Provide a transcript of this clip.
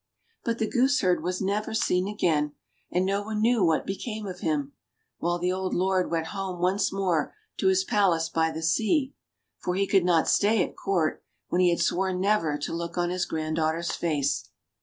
But the gooseherd was never seen again, and no one knew what became of him ; while the old lord went home once more to his Palace by the sea, for he could not stay at Court when he had sworn never to look on his granddaughter's face.